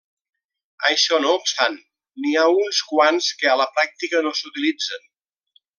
Això no obstant, n'hi ha uns quants que a la pràctica no s'utilitzen.